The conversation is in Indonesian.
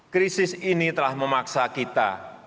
krisis ini telah memaksa kita